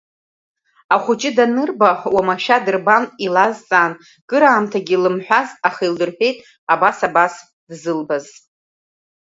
Ахәыҷы данырба, уамашәа дырбан, илазҵаан, кыраамҭагь илымҳәазт, аха илдырҳәит абас абас, дзылбаз.